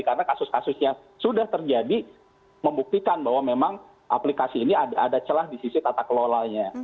karena kasus kasus yang sudah terjadi membuktikan bahwa memang aplikasi ini ada celah di sisi tata kelolanya